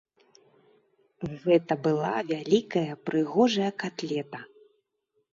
Гэта была вялікая прыгожая катлета.